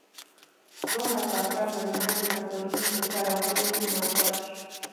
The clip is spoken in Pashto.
ځوان او تکړه نارینه د کتارونو په سر او پای کې موظف شول.